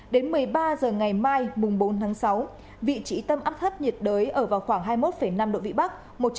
đến một mươi ba h ngày mai bốn tháng sáu vị trí tâm áp thấp nhiệt đới ở vào khoảng hai mươi một năm độ vĩ bắc